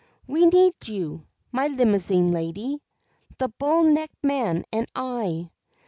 We need you my Limousine Lady, The bull necked man and I.